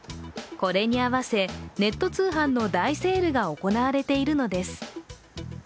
これに合わせ、ネット通販の大セールが行われているのです。